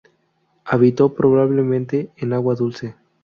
Habitó, probablemente, en agua dulce.